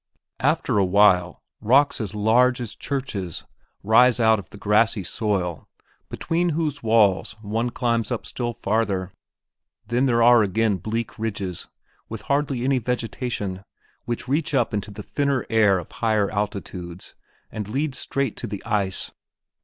After a while, rocks as large as churches rise out of the grassy soil, between whose walls one climbs up still farther. Then there are again bleak ridges, with hardly any vegetation, which reach up into the thinner air of higher altitudes and lead straight to the ice.